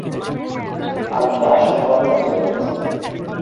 আপনি আসন বণ্টনে জোর দিচ্ছেন।